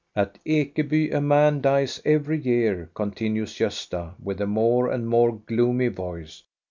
"At Ekeby a man dies every year," continues Gosta with a more and more gloomy voice.